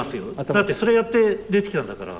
だってそれやって出てきたんだから。